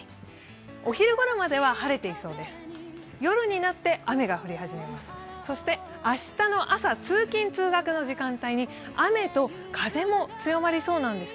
お昼ごろまでは晴れていそうです。